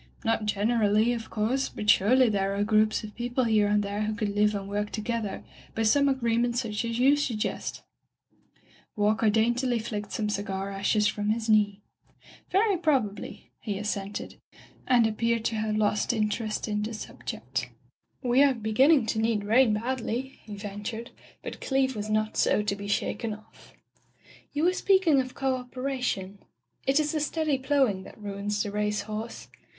"Not generally, of course, but surely there are groups of people here and there who could live and work together by some agreement such as you suggest/' Walker daintily flicked some cigar ashes from his knee. "Very probably," he assented, and ap peared to have lost interest in^^^^r [ 362 By the Sawyer Method "We are beginning to need rain badly/* he ventured, but Cleeve was not so to be shaken off. "You were speaking of co operation. It is the steady plowing that ruins the race horse.